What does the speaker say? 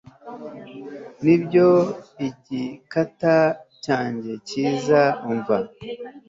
Nibyo igikata cyanjye cyiza umva